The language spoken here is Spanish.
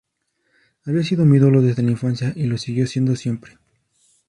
Había sido mi ídolo desde la infancia y lo siguió siendo siempre".